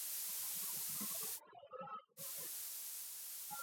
影片在商业上也遭遇了失败。